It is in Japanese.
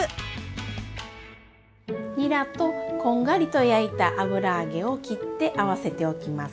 にらとこんがりと焼いた油揚げを切って合わせておきます。